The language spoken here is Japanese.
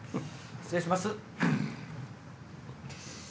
失礼します。